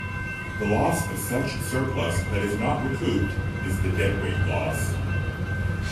The loss of such surplus that is not recouped, is the deadweight loss.